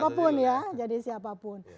siapapun ya jadi siapapun